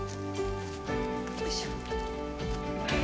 よいしょ。